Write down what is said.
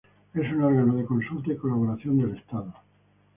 Es un órgano de consulta y colaboración del Estado.